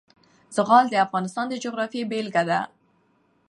زغال د افغانستان د جغرافیې بېلګه ده.